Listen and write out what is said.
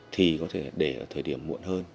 thì có thể để ở thời điểm muộn hơn